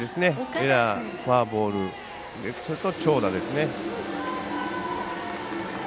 エラー、フォアボールそれと長打ですね。